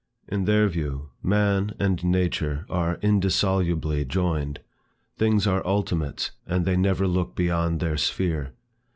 In their view, man and nature are indissolubly joined. Things are ultimates, and they never look beyond their sphere.